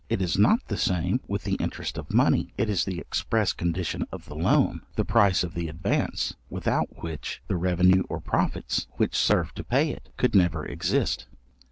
It is not the same with the interest of money; it is the express condition of the loan, the price of the advance, without which the revenue or profits, which serve to pay it, could never exist.